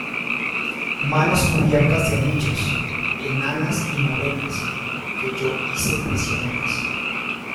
manos cubiertas de anillos, enanas y morenas, que yo hice prisioneras.